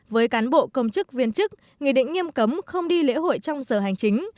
với cán bộ công chức viên chức nghị định nghiêm cấm không đi lễ hội trong giờ hành chính